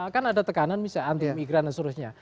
kan ada tekanan misalnya anti imigran dan sebagainya